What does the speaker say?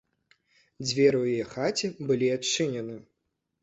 Дзверы ў яе хаце былі адчынены.